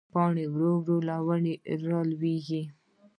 پاڼې ورو ورو له ونو رالوېږي